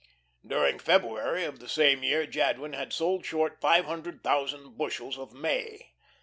During February of the same year Jadwin had sold short five hundred thousand bushels of May.